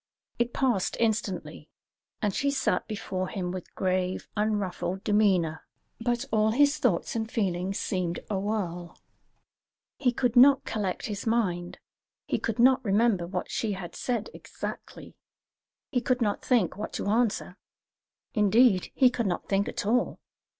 It passed instantly, and she sat before him with grave, unruffled demeanour; but all his thoughts and feelings seemed a whirl. He could not collect his mind; he could not remember what she had said exactly; he could not think what to answer; indeed, he could not think at all.